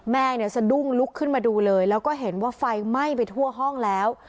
แม่เนี่ยสะดุ้งลุกขึ้นมาดูเลยแล้วก็เห็นว่าไฟไหม้ไปทั่วห้องแล้ว